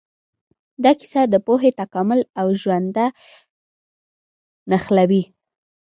دا کیسه د پوهې، تکامل او ژونده نښلوي.